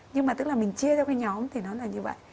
nhưng mà tức là mình chia theo cái nhóm thì nó là như vậy